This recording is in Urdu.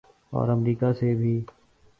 اور امریکہ سے بھی۔